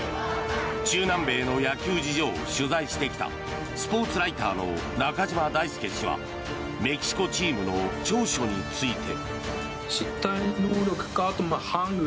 中南米の野球事情を取材してきたスポーツライターの中島大輔氏はメキシコチームの長所について。